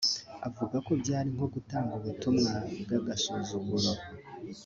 avuga ko byari nko gutanga “ubutumwa bw’agasuzuguro”